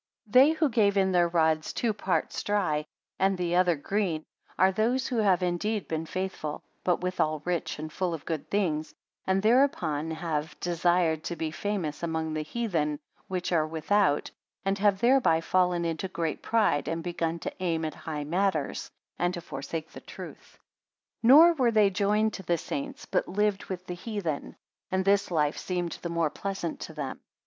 70 They who gave in their rods two parts dry, and the other been, are those who have indeed been faithful, but withal rich and full of good things; and thereupon upon have desired to be famous among the heathen which are without, and have thereby fallen into great pride, and begun to aim at high matters, and to forsake the truth. 71 Nor were they joined to the saints, but lived with the heathen; and this life seemed the more pleasant to them.